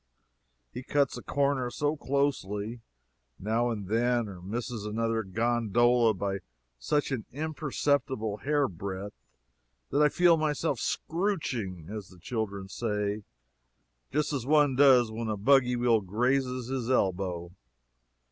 He cuts a corner so closely, now and then, or misses another gondola by such an imperceptible hair breadth that I feel myself "scrooching," as the children say, just as one does when a buggy wheel grazes his elbow.